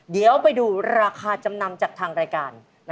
เดี๋ยวไปดูราคาจำนำจากทางรายการ